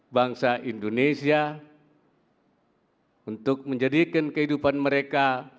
bangsa indonesia untuk menjadikan kehidupan mereka